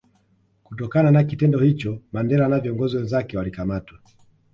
Kutokana na kitendo hicho Mandela na viongozi wenzake walikamatwa